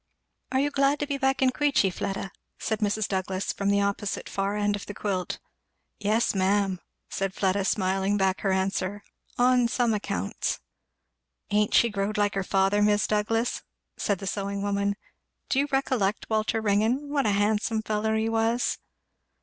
"Are you glad to be back to Queechy, Fleda?" said Mrs. Douglass from the opposite far end of the quilt. "Yes ma'am," said Fleda, smiling back her answer, "on some accounts." "Ain't she growed like her father, Mis' Douglass?" said the sewing woman. "Do you recollect Walter Ringgan what a handsome feller he was?"